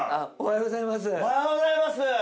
おはようございます。